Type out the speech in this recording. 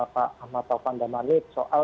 pak ahmad taufan damani soal